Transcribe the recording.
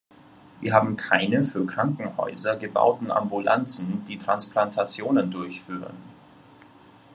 Wir haben keine für Krankenhäuser gebauten Ambulanzen, die Transplantationen durchführen.